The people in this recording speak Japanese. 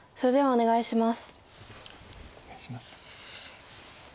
お願いします。